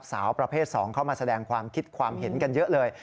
สาวประเภท๒เข้ามาแสดงความคิดความเห็นกันเยอะเลย